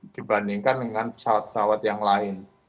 dibandingkan dengan pesawat pesawat yang lain